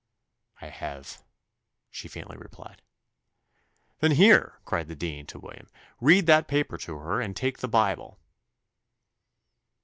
"I have," she faintly replied. "Then here," cried the dean to William, "read that paper to her, and take the Bible."